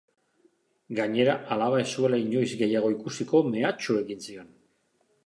Gainera, alaba ez zuela inoiz gehiago ikusiko mehatxu egin zion.